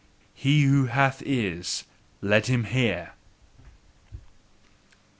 He who hath ears let him hear!